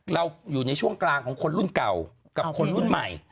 เราอยู่ในช่วงกลางของคนรุ่นเก่ากับคนรุ่นใหม่